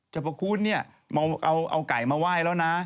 พระคุณเนี่ยเอาไก่มาไหว้แล้วนะ